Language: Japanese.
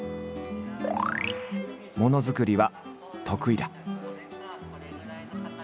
ものづくりは得意だ。